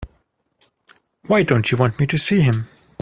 Why don't you want me to see him?